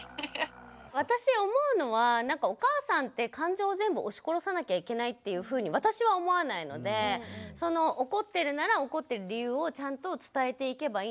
私思うのはお母さんって感情を全部押し殺さなきゃいけないっていうふうに私は思わないので怒ってるなら怒ってる理由をちゃんと伝えていけばいいのかな。